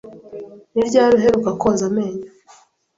Ni ryari uheruka koza amenyo?